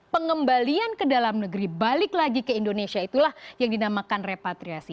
pengembalian ke dalam negeri balik lagi ke indonesia itulah yang dinamakan repatriasi